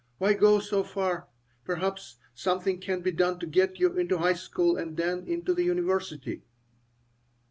Why go so far? Perhaps something can be done to get you into high school and then into the university."